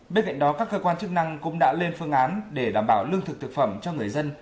bên cạnh đó các cơ quan chức năng cũng đã lên phương án để đảm bảo lương thực thực phẩm cho người dân